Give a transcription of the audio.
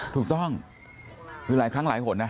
ถูกต้องคือหลายครั้งหลายหนนะ